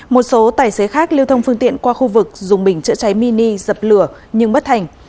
một số tài xế khác lưu thông phương tiện qua khu vực dùng bình chữa cháy mini dập lửa nhưng bất thành